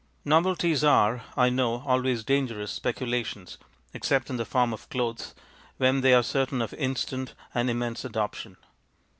Novelties are, I know, always dangerous speculations except in the form of clothes, when they are certain of instant and immense adoption.